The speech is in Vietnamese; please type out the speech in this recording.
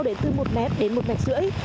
đến từ một mét đến một mạch rưỡi